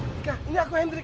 tika ini aku hendrik